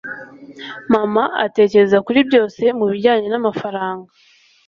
mama atekereza kuri byose mubijyanye namafaranga